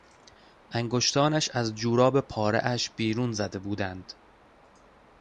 انگشتانش از جوراب پارهاش بیرون زده بودند.